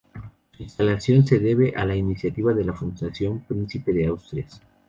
Su instalación se debe a la iniciativa de la Fundación Príncipe de Asturias.